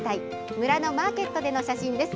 村のマーケットでの写真です。